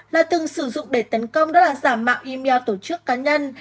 là từng sử dụng để tấn công đó là giả mạo email tổ chức cá nhân